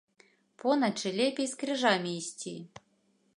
Поначы лепей з крыжам ісці.